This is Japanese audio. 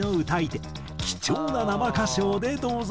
貴重な生歌唱でどうぞ。